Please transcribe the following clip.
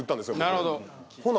なるほど。